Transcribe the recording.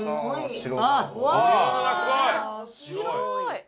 白い！